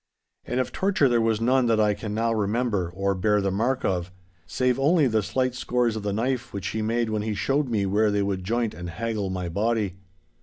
And of torture there was none that I can now remember or bear the mark of—save only the slight scores of the knife which he made when he showed me where they would joint and haggle my body.